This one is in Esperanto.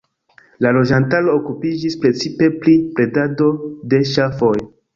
La loĝantaro okupiĝis precipe pri bredado de ŝafoj.